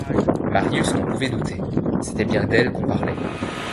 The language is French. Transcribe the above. Marius n’en pouvait douter, c”était bien d’elle qu’on parlait.